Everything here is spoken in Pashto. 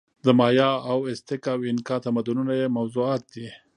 د مایا او ازتک او اینکا تمدنونه یې موضوعات دي.